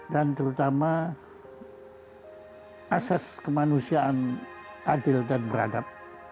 dan terutama asas kemanusiaan adil dan beradab